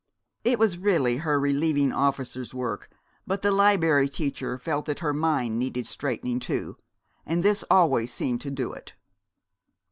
It was really her relieving officer's work, but the Liberry Teacher felt that her mind needed straightening, too, and this always seemed to do it.